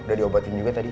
udah diobatin juga tadi